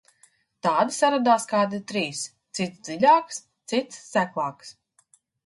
Tādi saradās kādi trīs, cits dziļāks, cits seklāks.